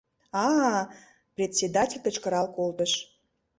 — А-а! — председатель кычкырал колтыш...